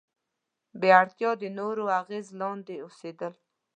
بې اړتیا د نورو اغیز لاندې اوسېدل.